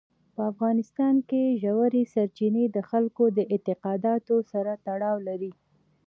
په افغانستان کې ژورې سرچینې د خلکو د اعتقاداتو سره تړاو لري.